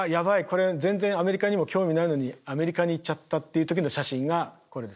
これ全然アメリカにも興味ないのにアメリカに行っちゃった」っていう時の写真がこれです。